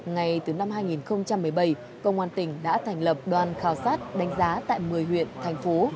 ngay từ năm hai nghìn một mươi bảy công an tỉnh đã thành lập đoàn khảo sát đánh giá tại một mươi huyện thành phố